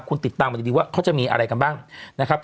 คุณติดตามมาดีว่าเขาจะมีอะไรกันบ้างนะครับ